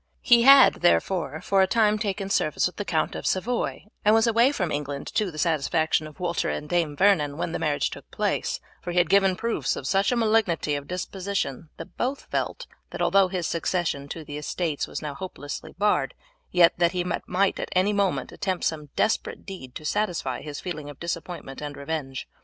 He had, therefore, for a time taken service with the Count of Savoy, and was away from England, to the satisfaction of Walter and Dame Vernon, when the marriage took place; for he had given proofs of such a malignity of disposition that both felt, that although his succession to the estates was now hopelessly barred, yet that he might at any moment attempt some desperate deed to satisfy his feeling of disappointment and revenge.